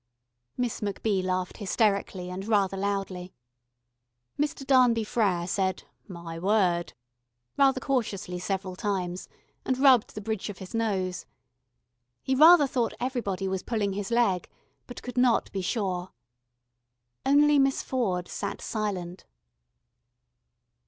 Miss MacBee laughed hysterically and very loudly. Mr. Darnby Frere said "My word" rather cautiously several times, and rubbed the bridge of his nose. He rather thought everybody was pulling his leg, but could not be sure. Only Miss Ford sat silent.